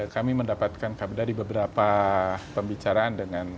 kami mendapatkan kabar dari beberapa pembicaraan dengan